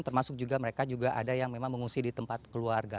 termasuk juga mereka juga ada yang memang mengungsi di tempat keluarga